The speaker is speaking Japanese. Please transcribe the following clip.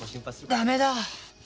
ダメだ！